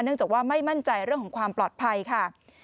จากว่าไม่มั่นใจเรื่องของความปลอดภัยค่ะ